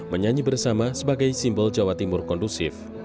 menyanyi bersama sebagai simbol jawa timur kondusif